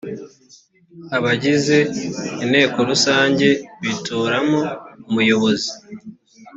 abagize inteko rusange bitoramo umuyobozi